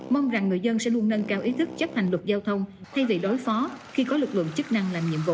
mong rằng người dân sẽ luôn nâng cao ý thức chấp hành luật giao thông thay vì đối phó khi có lực lượng chức năng làm nhiệm vụ